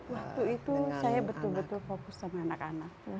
waktu itu saya betul betul fokus sama anak anak